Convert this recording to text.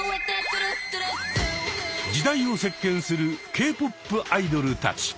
時代を席けんするＫ−ＰＯＰアイドルたち。